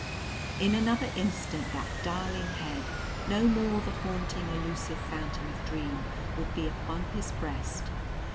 In another instant that darling head no more the haunting elusive phantom of dream would be upon his breast.